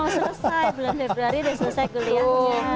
bulan februari udah selesai kuliahnya